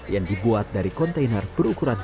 yang dibuat dari kontainer berukuran dua puluh kaki